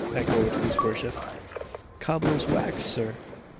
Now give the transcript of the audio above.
echoed his worship. "Cobbler's wax, Sir!"